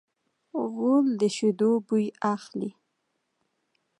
غول د شیدو بوی اخلي.